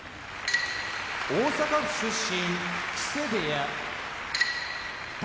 大阪府出身木瀬部屋宝